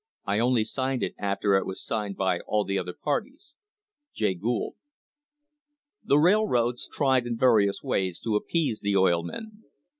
I only signed it after it was signed by all the other parties. Jay Gould. The railroads tried in various ways to appease the oil men.